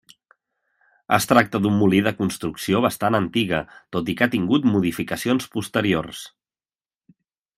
Es tracta d'un molí de construcció bastant antiga, tot i que ha tingut modificacions posteriors.